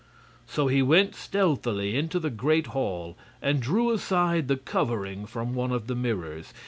So he went stealthily into the great hall and drew aside the covering from one of the mirrors.